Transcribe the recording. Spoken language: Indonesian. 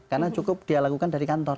karena cukup dia lakukan dari kantor